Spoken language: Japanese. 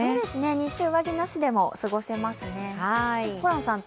日中は上着なしでも過ごせますね。